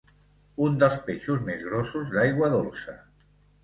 Un dels peixos més grossos d'aigua dolça.